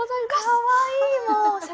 かわいい！